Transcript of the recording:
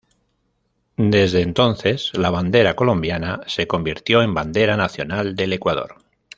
Desde entonces, la bandera colombiana se convirtió en bandera nacional del Ecuador.